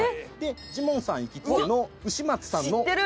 ジモンさん行きつけのうし松さんの縛りタン。